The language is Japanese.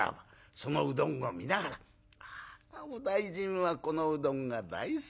そのうどんを見ながら『あお大尽はこのうどんが大好きだった。